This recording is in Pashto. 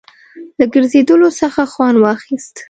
له ګرځېدلو څخه خوند واخیست.